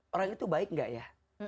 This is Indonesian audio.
orang itu baik nggak ya